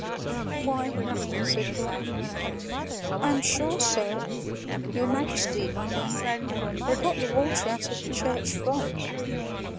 "Why," said Gluck, "I am sure, sir, your Majesty, I mean, they got the water out of the church font."